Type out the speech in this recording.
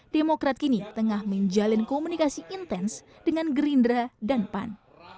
demokrat kini tengah menjalin komunikasi intens dengan gerindra dan pan